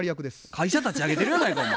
会社立ち上げてるやないかお前。